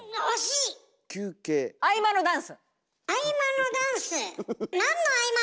合間のダンス！